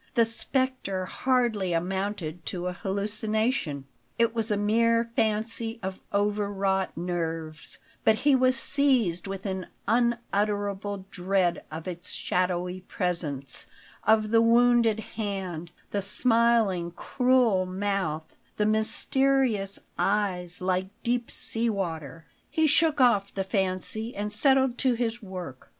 The spectre hardly amounted to a hallucination. It was a mere fancy of overwrought nerves; but he was seized with an unutterable dread of its shadowy presence of the wounded hand, the smiling, cruel mouth, the mysterious eyes, like deep sea water He shook off the fancy and settled to his work.